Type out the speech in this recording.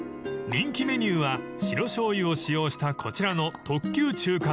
［人気メニューは白しょうゆを使用したこちらの］